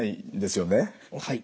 はい。